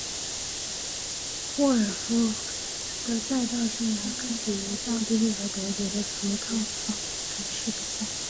沃尔夫的赛车生涯开始于奥地利和德国的福特方程式比赛。